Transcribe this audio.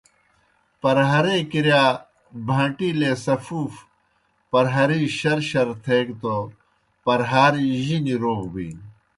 پرہارے کِرِیا بَھان٘ٹِیلے سفوف پرہارِجیْ شَرشَر تھیگہ توْ پرہار جِنیْ روغ بِینیْ۔